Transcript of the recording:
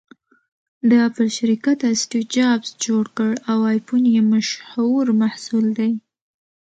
د اپل شرکت اسټیوجابز جوړ کړ٬ او ایفون یې مشهور محصول دی